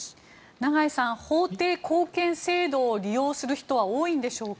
長井さん法定後見制度を利用する人は多いんでしょうか。